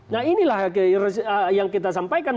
nah inilah yang kita sampaikan